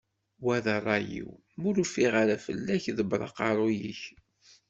Wa d rray-iw, ma ur yeffiɣ ara fell-ak ḍebber aqerru-k.